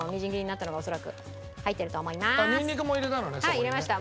はい入れました。